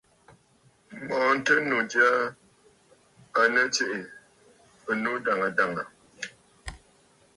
M̀mɔ̀ɔ̀ŋtənnǔ jyaa à nɨ tsiʼǐ ɨnnǔ dàŋə̀ dàŋə̀.